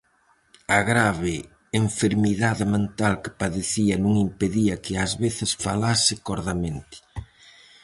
A grave enfermidade mental que padecía non impedía que ás veces falase cordamente.